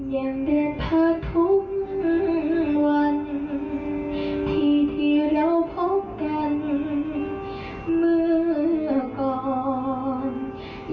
เดินพักทุกวันที่เราพบกันเมื่อก่อน